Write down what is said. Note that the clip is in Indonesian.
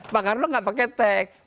pak karno nggak pakai teks